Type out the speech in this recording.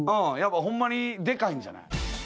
ホンマにデカいんじゃない？